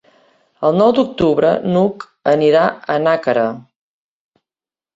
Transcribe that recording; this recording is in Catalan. El nou d'octubre n'Hug anirà a Nàquera.